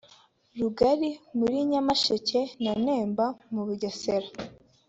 Rugari muri Nyamasheke na Nemba mu Bugesera